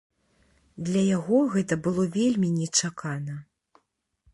Для яго гэта было вельмі нечакана.